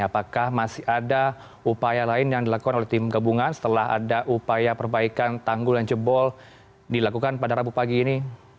apakah masih ada upaya lain yang dilakukan oleh tim gabungan setelah ada upaya perbaikan tanggul yang jebol dilakukan pada rabu pagi ini